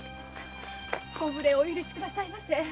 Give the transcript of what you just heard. ご無礼をお許しくださいませ。